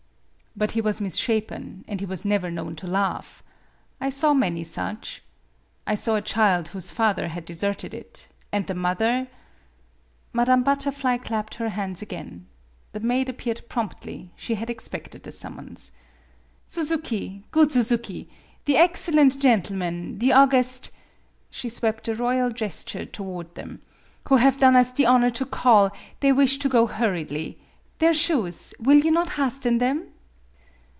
" But he was misshapen, and he was never known to laugh. I saw many such. I saw a child whose father had deserted it, and the mother" Madame Butterfly clapped her hands again. The maid appeared promptly; she had expected the summons. " Suzuki good Suzuki, the excellent gentlemen the august" she swept a royal gesture toward them" who have done us the honor to call, they wish to go hurriedly. Their shoes will you not hasten them